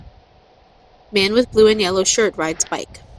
Man with blue and yellow shirt rides bike.